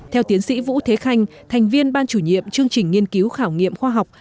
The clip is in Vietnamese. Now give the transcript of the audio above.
theo tiến sĩ vũ thế khanh thành viên ban chủ nhiệm chương trình nghiên cứu khảo nghiệm khoa học